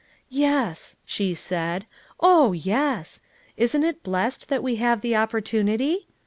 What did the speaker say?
' "Yes," she said, "oh, yes! Isn't it blessed that we have the opportunity?